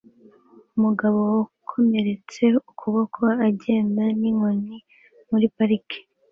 Umugabo wakomeretse ukuboko agenda n'inkoni muri parike